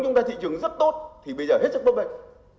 chúng ta thị trường rất tốt thì bây giờ hết sức bất bệnh